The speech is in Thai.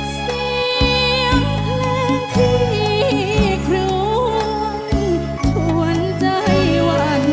เสียงเพลงที่กลุ่มชวนใจวัน